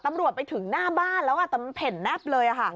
ตำรวจไปถึงหน้าบ้านแล้วอ่ะแต่มันเห็นแน็บเลยอ่ะค่ะ